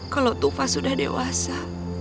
kalau tufa sudah dewasa